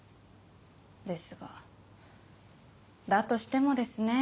ですがだとしてもですねぇ